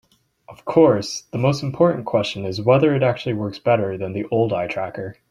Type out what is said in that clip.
Of course, the most important question is whether it actually works better than the old eye tracker.